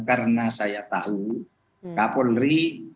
karena saya tahu kapolri